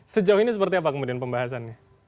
sejauh ini seperti apa kemudian pembahasannya